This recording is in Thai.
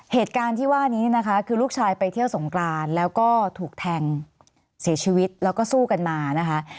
เหตุการณ์ที่ว่านี้เนี่ยนะคะคือลูกชายไปเที่ยวสงกรานแล้วก็ถูกแทงเสียชีวิตแล้วก็สู้กันมานะคะ